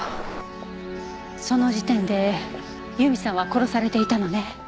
その時点で由美さんは殺されていたのね。